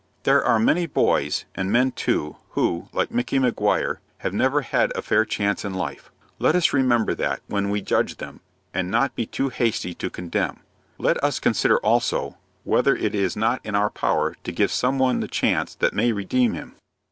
There are many boys, and men too, who, like Micky Maguire, have never had a fair chance in life. Let us remember that, when we judge them, and not be too hasty to condemn. Let us consider also whether it is not in our power to give some one the chance that may redeem him.